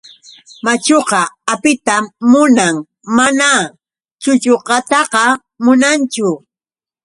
Machuqa apitan munan mana chuchuqataqa munanchu.